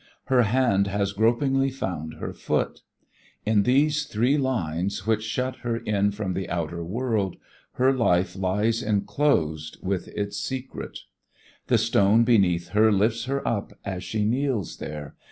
Her hand has gropingly found her foot. In these three lines which shut her in from the outer world her life lies enclosed with its secret. The stone beneath her lifts her up as she kneels there.